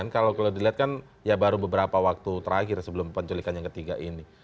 kalau dilihat kan ya baru beberapa waktu terakhir sebelum penculikan yang ketiga ini